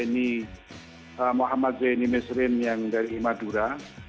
ini muhammad zainal mesrin yang dari imadura